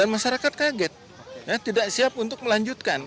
masyarakat kaget tidak siap untuk melanjutkan